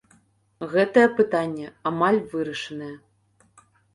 Гэтае пытанне амаль вырашанае.